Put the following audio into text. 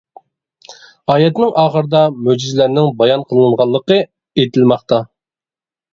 ئايەتنىڭ ئاخىرىدا مۆجىزىلەرنىڭ بايان قىلغانلىقى ئېيتىلماقتا.